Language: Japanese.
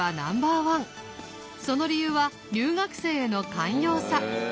その理由は留学生への寛容さ。